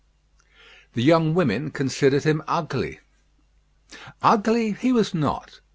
The young women considered him ugly. Ugly he was not.